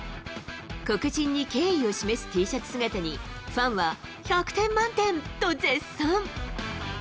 黒人に敬意を示すＴシャツ姿に、ファンは、１００点満点と絶賛。